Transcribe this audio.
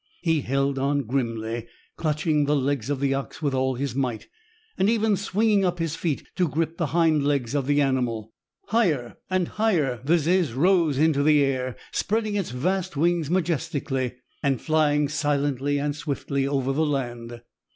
He held on grimly, clutching the legs of the ox with all his might, and even swinging up his feet to grip the hind legs of the animal. Higher and higher the ziz rose into the air, spreading its vast wings majestically, and flying silently and swiftly over the land.